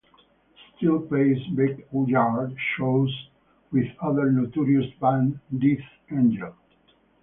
Still plays backyard shows with other notorious band Death Angel.